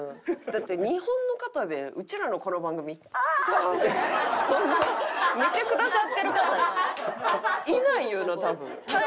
だって日本の方でうちらのこの番組「あ！」ってそんな見てくださってる方いないよな多分。